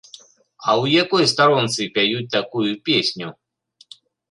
А ў якой старонцы пяюць такую песню?